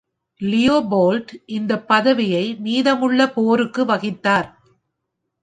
Leopold இந்த பதவியை மீதமுள்ள போருக்கு வகித்தார்.